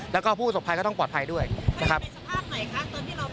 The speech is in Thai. แล้วก็ผู้ศพภัยก็ต้องปลอดภัยด้วยนะครับเขายังเป็นสภาพไหนคะ